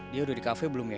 dia udah di kafe belum ya